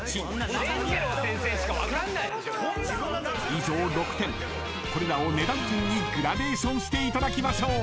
［以上６点これらを値段順にグラデーションしていただきましょう］